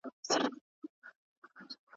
موبایل باید چارج شي.